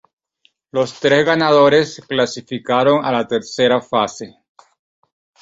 Los tres ganadores clasificaron a la tercera fase.